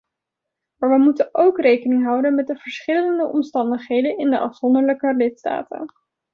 Maar we moeten ook rekening houden met de verschillende omstandigheden in de afzonderlijke lidstaten.